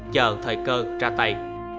chờ thời cơ ra tay